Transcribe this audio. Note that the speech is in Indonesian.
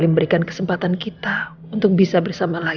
setelah bertahun tahun ya ma